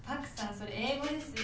それ英語ですよ。